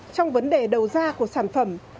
trong vấn đề đầu ra của sản phẩm